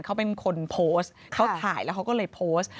เขาเป็นคนโพสต์เขาถ่ายแล้วเขาก็เลยโพสต์